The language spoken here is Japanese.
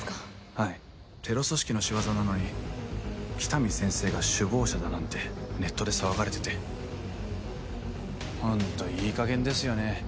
はいテロ組織の仕業なのに喜多見先生が首謀者だなんてネットで騒がれててホントいいかげんですよね